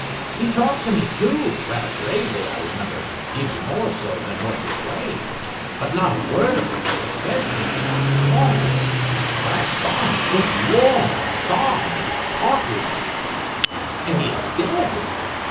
He talked with me, too, rather gravely, I remember, even more so than was his way, but not a word of what he said can I now recall. But I saw him—good Lord, I saw and talked with him—and he is dead!